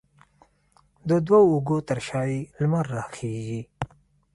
د دوو اوږو ترشا یې، لمر راخیژې